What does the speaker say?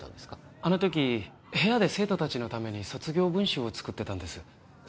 あの時部屋で生徒達のために卒業文集を作ってたんですそ